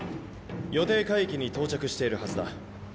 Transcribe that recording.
予定海域に到着しているはずだ。